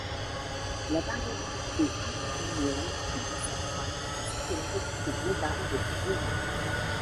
La variabilité inter-annuelle tend à s'accroître ainsi que l'aridité globale de la zone.